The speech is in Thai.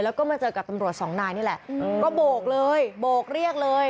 แล้วก็มาเจอกับตำรวจสองนายนี่แหละก็โบกเลยโบกเรียกเลย